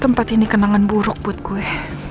tempat ini kenangan buruk buat gue